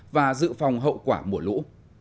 và dự phòng hậu quả mùa lũ